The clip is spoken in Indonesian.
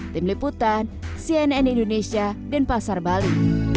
tim liputan cnn indonesia dan pasar bali